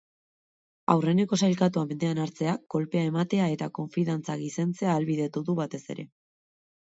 Aurreneko sailkatua mendean hartzeak kolpea ematea eta konfidantza gizentzea ahalbidetu du batez ere.